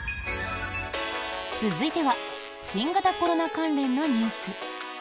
続いては新型コロナ関連のニュース。